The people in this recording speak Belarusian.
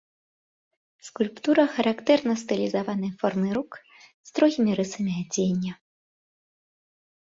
Скульптура характэрна стылізаванай формай рук, строгімі рысамі адзення.